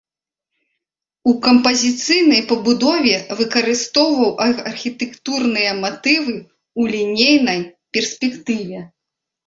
У кампазіцыйнай пабудове выкарыстоўваў архітэктурныя матывы ў лінейнай перспектыве.